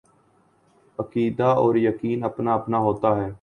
عقیدہ اور یقین اپنا اپنا ہوتا ہے۔